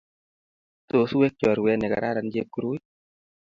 Tos weg chorwet ne kararan Chepkirui.